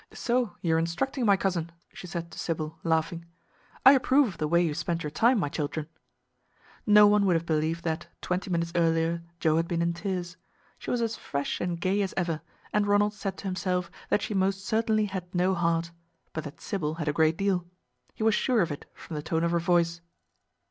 "So you are instructing my cousin," she said to Sybil, laughing. "I approve of the way you spend your time, my children!" No one would have believed that, twenty minutes earlier, Joe had been in tears. She was as fresh and as gay as ever, and Ronald said to himself that she most certainly had no heart, but that Sybil had a great deal, he was sure of it from the tone of her voice.